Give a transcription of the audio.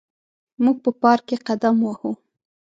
موږ په پارک کې قدم وهو.